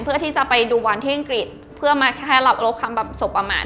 เพื่อที่จะไปดูบอลที่อังกฤษเพื่อมาแค่หลับลบคำแบบสบประมาท